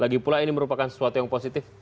lagi pula ini merupakan sesuatu yang positif